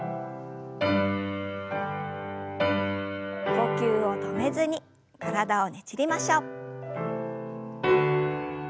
呼吸を止めずに体をねじりましょう。